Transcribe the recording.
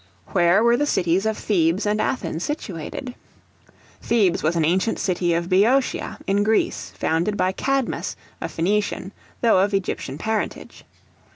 Where were the cities of Thebes and Athens situated? Thebes was an ancient city of Beotia, in Greece, founded by Cadmus, a Phenician, though of Egyptian parentage.